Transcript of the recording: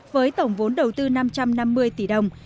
với tổng vốn đầu tư năm trăm năm mươi tỷ đồng